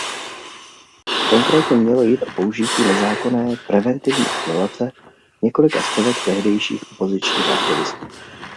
Konkrétně mělo jít o použití nezákonné „preventivní izolace“ několika stovek tehdejších opozičních aktivistů.